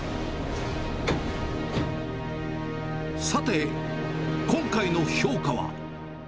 さて、今回の評価は。